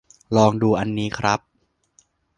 ลองดูอันนี้ครับ